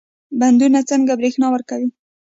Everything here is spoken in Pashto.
بندونه څنګه برښنا ورکوي؟